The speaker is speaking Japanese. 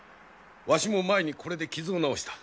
わしも前にこれで傷を治した。